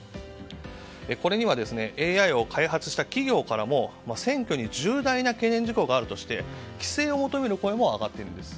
これにはＡＩを開発した企業からも選挙に重大な懸念事項があるとして規制を求める声も上がっているんです。